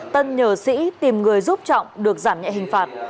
tân nhờ sĩ tìm người giúp trọng được giảm nhẹ hình phạt